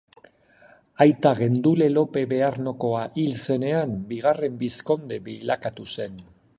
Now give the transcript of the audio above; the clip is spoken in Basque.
Aita Gendule Lope Bearnokoa hil zenean, bigarren bizkonde bilakatu zen.